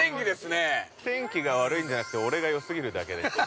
天気が悪いんじゃなくて俺がよ過ぎるだけです。